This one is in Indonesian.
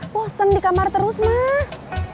bosan di kamar terus mak